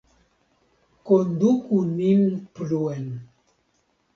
Konduku nin pluen!